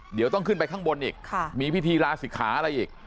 เดี๋ยวต้องขึ้นไปข้างบนอีกมีพิธีลาศิกขาอะไรอีก